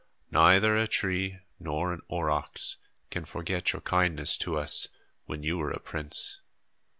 Neither a tree nor an aurochs can forget your kindness to us, when you were a prince.